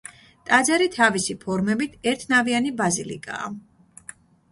ტაძარი თავისი ფორმებით ერთნავიანი ბაზილიკაა.